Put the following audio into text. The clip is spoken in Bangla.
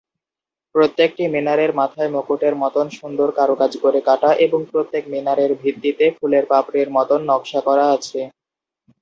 প্রত্যেকটি মিনারের মাথায় মুকুটের মতন সুন্দর কারুকাজ করে কাটা এবং প্রত্যেক মিনারের ভিত্তিতে ফুলের পাপড়ির মতন নকশা করা আছে।